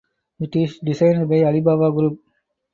It is designed by Alibaba Group.